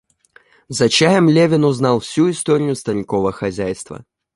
За чаем Левин узнал всю историю старикова хозяйства.